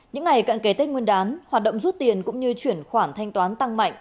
những ngày cận kề tết nguyên đán hoạt động rút tiền cũng như chuyển khoản thanh toán tăng mạnh